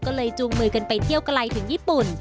ก็เลยจูงมือกันไปเที่ยวไกลถึงญี่ปุ่น